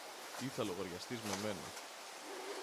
ή θα λογαριαστείς με μένα.